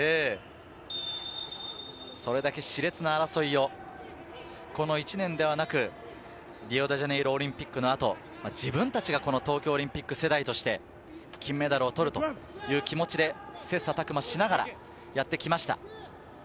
それだけし烈な争いをこの１年ではなく、リオデジャネイロオリンピックの後、自分たちが東京オリンピック世代として金メダルを取るという気持ちで切磋琢磨しながらやってきました。